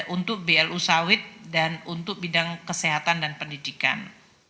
untuk blu sawit dan untuk bidang kesehatan dan pendidikan